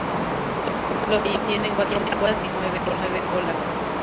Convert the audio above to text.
Los zorros ahí tienen cuatro patas y nueve colas.